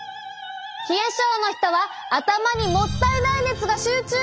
冷え症の人は頭にもったいない熱が集中！